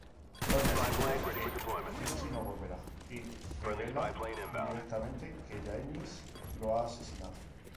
Tony asegura que "Richie no volverá" y revela, indirectamente, que Janice lo ha asesinado.